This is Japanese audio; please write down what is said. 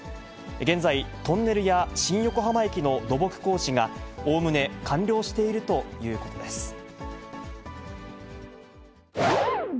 現在、トンネルや新横浜駅の土木工事がおおむね完了しているということです。